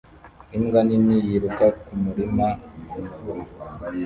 Imbwa nini yiruka mu murima mu mvura